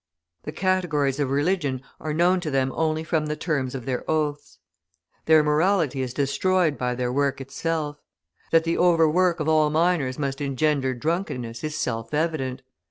The categories of religion are known to them only from the terms of their oaths. Their morality is destroyed by their work itself. That the overwork of all miners must engender drunkenness is self evident.